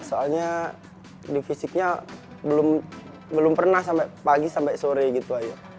soalnya di fisiknya belum pernah sampai pagi sampai sore gitu aja